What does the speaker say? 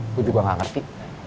gue juga gak ngerti